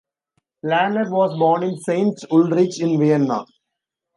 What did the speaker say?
Lanner was born in Saint Ulrich in Vienna.